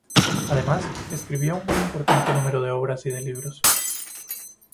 Además, escribió un muy importante número de obras y de libros.